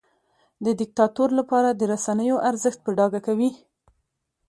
د دیکتاتور لپاره د رسنیو ارزښت په ډاګه کوي.